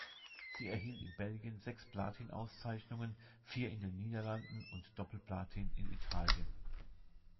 Sie erhielt in Belgien sechs Platin-Auszeichnungen, vier in den Niederlanden und Doppel-Platin in Italien.